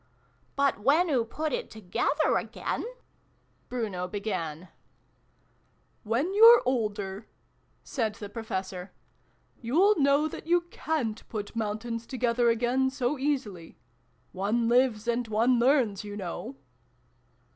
" But when oo put it together again Bruno began. " When you're older," said the Professor, " you'll know that you cant put Mountains xxiv] THE BEGGAR'S RETURN. 395 together again so easily ! One lives and one learns, you know